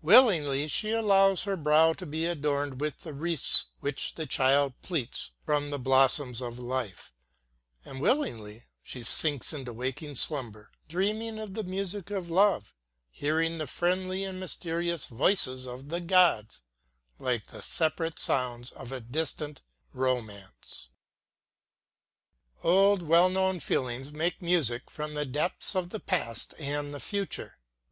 Willingly she allows her brow to be adorned with the wreaths which the child plaits from the blossoms of life, and willingly she sinks into waking slumber, dreaming of the music of love, hearing the friendly and mysterious voices of the gods, like the separate sounds of a distant romance. Old, well known feelings make music from the depths of the past and the future.